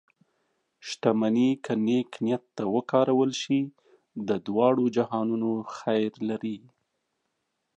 شتمني که نیک نیت ته وکارول شي، د دواړو جهانونو خیر لري.